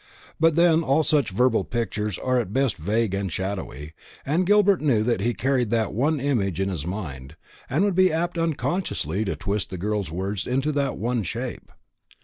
But then all such verbal pictures are at best vague and shadowy, and Gilbert knew that he carried that one image in his mind, and would be apt unconsciously to twist the girl's words into that one shape.